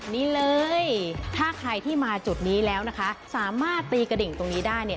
นี่เลยถ้าใครที่มาจุดนี้แล้วนะคะสามารถตีกระดิ่งตรงนี้ได้เนี่ย